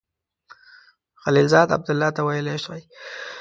خلیلزاد عبدالله ته ویلای سوای.